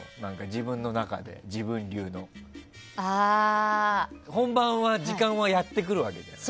自分の中で、自分流の。本番は時間はやってくるわけじゃん。